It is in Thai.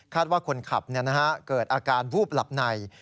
ว่าคนขับเกิดอาการวูบหลับใน